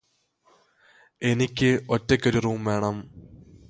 എനിക്ക് ഒറ്റയ്ക്കൊരു റൂം വേണം